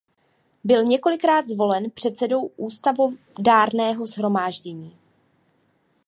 Byl několikrát zvolen předsedou Ústavodárného shromáždění.